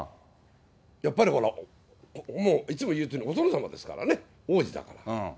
やっぱりほら、もういつも言うけど、お殿様ですからね、王子だから。